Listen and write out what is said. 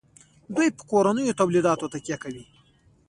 دوی په کورنیو تولیداتو تکیه کوي.